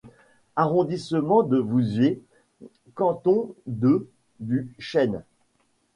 Arrondissement de Vouziers, canton de du Chesne.